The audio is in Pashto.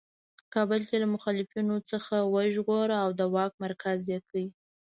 کابل یې له مخالفینو څخه وژغوره او د واک مرکز یې کړ.